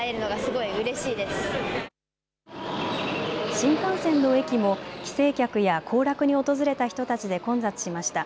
新幹線の駅も帰省客や行楽に訪れた人たちで混雑しました。